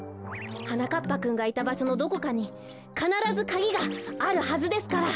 はなかっぱくんがいたばしょのどこかにかならずカギがあるはずですから！